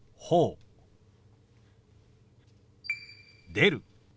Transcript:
「出る」。